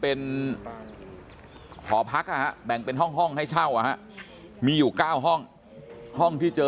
เป็นหอพักแบ่งเป็นห้องให้เช่ามีอยู่๙ห้องห้องที่เจอ